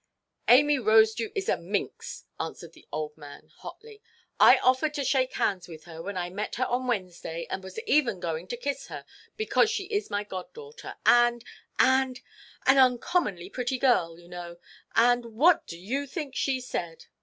"Amy Rosedew is a minx," answered the old man, hotly. "I offered to shake hands with her, when I met her on Wednesday, and was even going to kiss her, because she is my god–daughter, and—and—an uncommonly pretty girl, you know, and what do you think she said?"